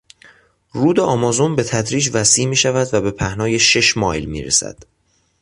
رود آمازون به تدریج وسیع میشود و به پهنای شش مایل میرسد.